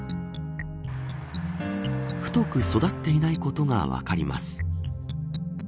太く育っていないことが分かります。